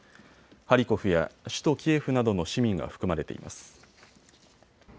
ハリコフや首都キエフなどの市民が含まれています。